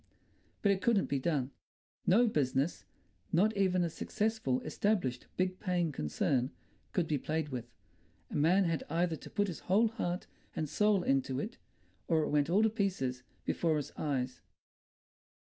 But it couldn't be done. No business—not even a successful, established, big paying concern—could be played with. A man had either to put his whole heart and soul into it, or it went all to pieces before his eyes....